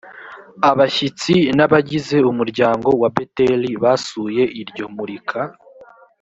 abashyitsi n abagize umuryango wa beteli basuye iryo murika